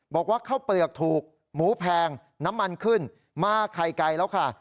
บอกว่าข้าวเปลือกถูกหมูแพงน้ำมันขึ้นมาไข่ไก่แล้วค่ะ